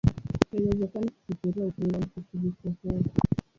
Haiwezekani kufikiria upendo mkuu kuliko huo.